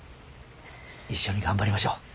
一緒に頑張りましょう。